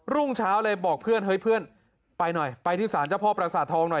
รุ่งเช้าเลยบอกเพื่อนเฮ้ยเพื่อนไปหน่อยไปถึงศาลท้องหน่อย